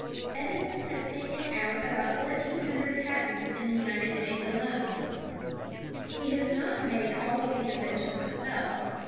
Edison has taken out about fourteen hundred patents in the United States alone. He has not made all of these inventions himself.